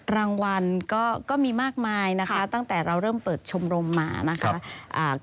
รางวัลก็มีมากมายนะคะตั้งแต่เราเริ่มเปิดชมรมมานะคะ